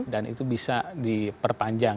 dan itu bisa diperpanjang